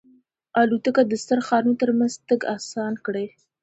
الوتکه د ستر ښارونو ترمنځ تګ آسان کړی.